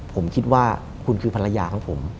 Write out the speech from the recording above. ผมคิดว่าคุณคือภรรยาของผม